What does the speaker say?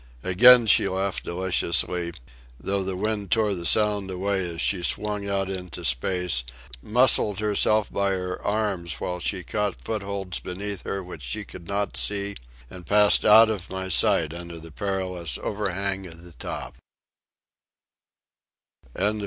Again she laughed deliciously, though the wind tore the sound away as she swung out into space, muscled herself by her arms while she caught footholds beneath her which she could not see, and passed out of my sight under the perilous overhang of the top.